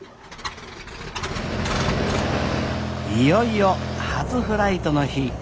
いよいよ初フライトの日。